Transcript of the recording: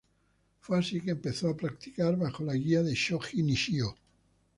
Fue así que empezó a practicar bajo la guía de Shoji Nishio.